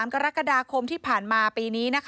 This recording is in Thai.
กรกฎาคมที่ผ่านมาปีนี้